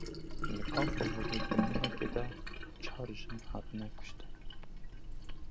Li Kampa Holê di mehekê de çar jin hatine kuştin.